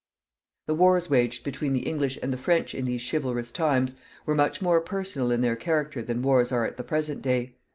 The wars waged between the English and the French in these chivalrous times were much more personal in their character than wars are at the present day.